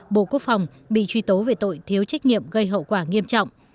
bộ quốc phòng bị truy tố về tội thiếu trách nhiệm gây hậu quả nghiêm trọng